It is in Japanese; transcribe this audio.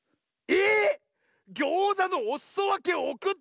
えっ！